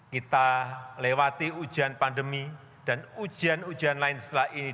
kita lewati ujian pandemi dan ujian ujian lain setelah ini